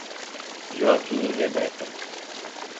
Joaquim e Rebeca